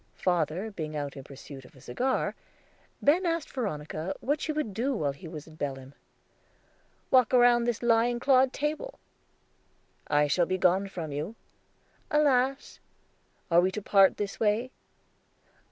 Father being out in pursuit of a cigar, Ben asked Veronica what she would do while he was in Belem. "Walk round this lion clawed table." "I shall be gone from you." "Alas!" "Are we to part this way?"